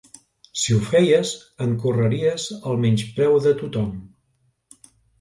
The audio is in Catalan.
Si ho feies, encorreries el menyspreu de tothom!